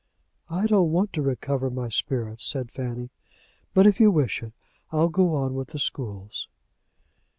"I don't want to recover my spirits," said Fanny; "but if you wish it I'll go on with the schools."